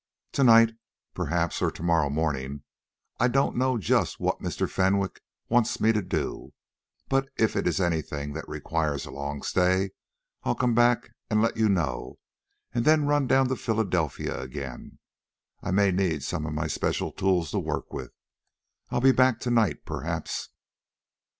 "To night, perhaps, or to morrow morning. I don't know just what Mr. Fenwick wants me to do. But if it is anything that requires a long stay, I'll come back, and let you know, and then run down to Philadelphia again. I may need some of my special tools to work with. I'll be back to night perhaps."